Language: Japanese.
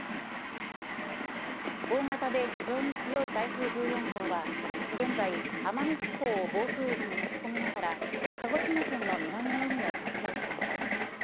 大型で非常に強い台風１４号は現在、奄美地方を暴風域に巻き込みながら鹿児島県の南の海を北上しています。